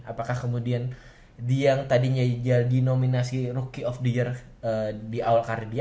apakah kemudian dia yang tadinya jadi nominasi rookie of the year di awal kardia